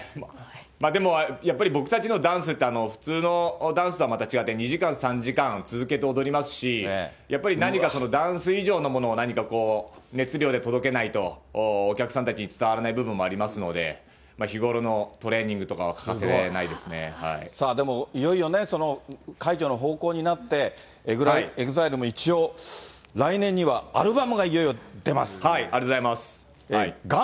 でもやっぱり僕たちのダンスって普通のダンスとまた違って、２時間、３時間続けて踊りますし、やっぱり何かダンス以上のものを何かこう、熱量で届けないとお客さんたちに伝わらない部分もありますので、日頃のトレーニングとさあでも、いよいよね、解除の方向になって、ＥＸＩＬＥも一応、来年にはアルバムがいよいよありがとうございます。